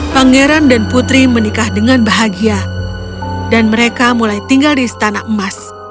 pangeran dan putri menikah dengan bahagia dan mereka mulai tinggal di istana emas